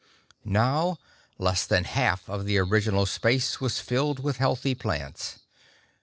Now less than half of the original space was filled with healthy plants.